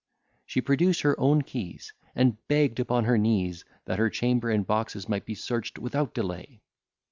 She produced her own keys, and begged upon her knees, that her chamber and boxes might be searched without delay.